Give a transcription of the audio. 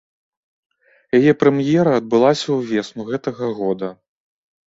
Яе прэм'ера адбылася ўвесну гэтага года.